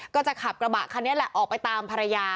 ก็จะขับกระบะคันนี้แหละออกไปตามภรรยา